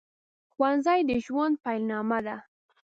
ښوونځي د ژوند پیل نامه ده